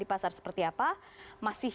di pasar seperti apa masih